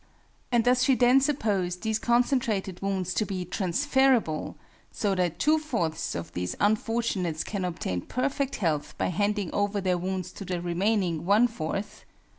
And does she then suppose these concentrated wounds to be transferable, so that 3/4ths of these unfortunates can obtain perfect health by handing over their wounds to the remaining 1/4th?